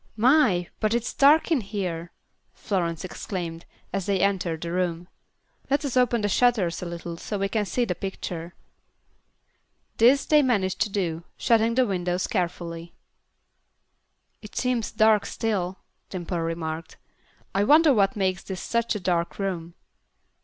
"My, but it's dark in here!" Florence exclaimed, as they entered the room. "Let us open the shutters a little so we can see the picture." This they managed to do, shutting the window carefully. "It seems dark still," Dimple remarked. "I wonder what makes this such a dark room."